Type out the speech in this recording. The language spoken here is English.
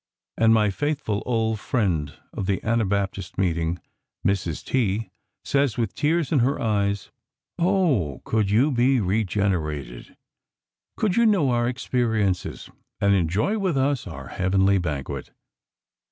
And my faithful old friend of the Anabaptist meeting, Mrs. T , says, with tears in her eyes: 'Oh! could you be regenerated; could you know our experiences and enjoy with us our heavenly banquet.